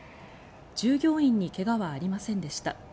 従業員に怪我はありませんでした。